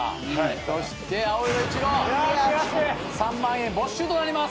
そして青色１号３万円没収となります。